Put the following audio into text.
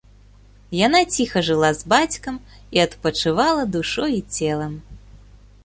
Яна ціха жыла з бацькам і адпачывала душой і целам.